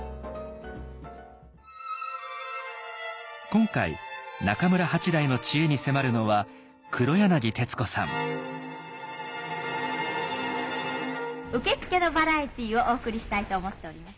今回中村八大の知恵に迫るのは受付のバラエティーをお送りしたいと思っております。